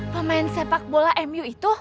pemain sepak bola mu itu